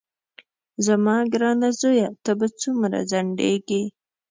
زما ګرانه زویه ته به څومره ځنډېږې.